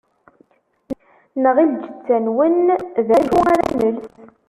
Neɣ i lǧetta-nwen: D acu ara nels?